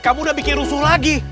kamu udah bikin rusuh lagi